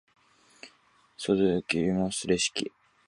袖を切ります、レシキ。